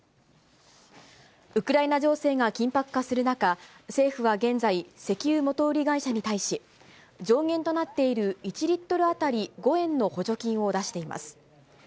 ウクライナ情勢が緊迫化する中、政府は現在、石油元売り会社に対し、上限となっている１リットル当たり５円の補助金を出しています。